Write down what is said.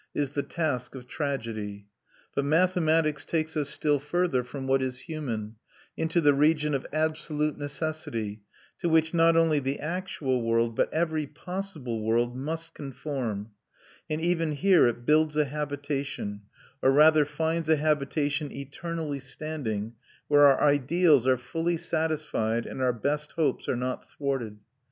is the task of tragedy. But mathematics takes us still further from what is human, into the region of absolute necessity, to which not only the actual world, but every possible world, must conform; and even here it builds a habitation, or rather finds a habitation eternally standing, where our ideals are fully satisfied and our best hopes are not thwarted.